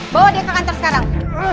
bawa dia ke kantor sekarang